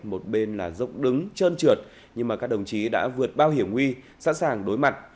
một bên là dốc đứng trơn trượt nhưng các đồng chí đã vượt bao hiểm nguy sẵn sàng đối mặt